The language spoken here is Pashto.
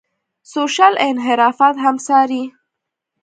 سوشل انحرافات هم څاري.